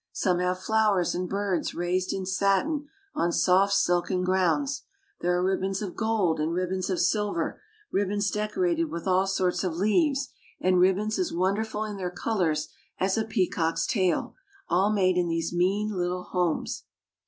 Some have flowers and birds raised in satin on soft silken grounds. There are ribbons of gold and ribbons of silver, ribbons decorated with all sorts of leaves, and ribbons as wonderful in their colors as a peacock's tail, all made in these mean little homes.